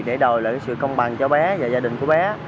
để đòi lại sự công bằng cho bé và gia đình của bé